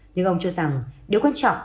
nhưng ông cho rằng điều quan trọng